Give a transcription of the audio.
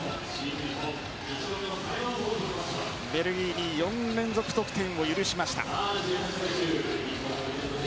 ベルギーに４連続得点を許しました。